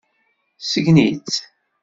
Sgen-itt.